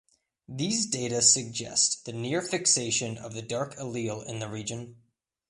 These data suggest the near fixation of the dark allele in the region.